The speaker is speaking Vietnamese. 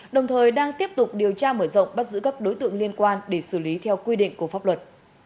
đồng thời đang tiếp tục điều tra mở rộng bắt giữ các đối tượng liên quan để xử lý theo quy định của pháp luật